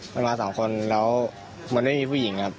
มันมาสองคนแล้วมันไม่มีผู้หญิงครับ